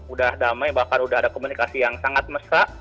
udah damai bahkan udah ada komunikasi yang sangat mesra